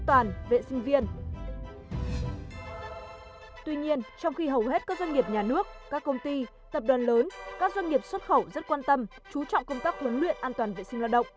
tuy nhiên trong khi hầu hết các doanh nghiệp nhà nước các công ty tập đoàn lớn các doanh nghiệp xuất khẩu rất quan tâm chú trọng công tác huấn luyện an toàn vệ sinh lao động